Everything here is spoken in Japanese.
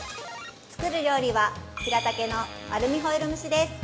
作る料理は、「ひらたけのアルミホイル蒸し」です。